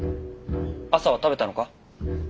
朝は食べたのか？